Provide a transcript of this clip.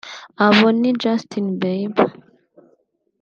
Abo ni Justin Bieber